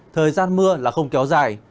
thời gian mưa là không kéo dài